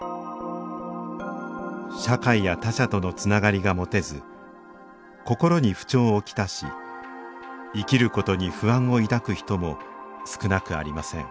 社会や他者とのつながりが持てずこころに不調を来し生きることに不安を抱く人も少なくありません